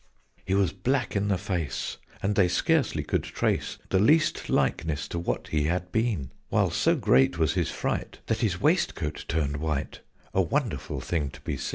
He was black in the face, and they scarcely could trace The least likeness to what he had been: While so great was his fright that his waistcoat turned white A wonderful thing to be seen!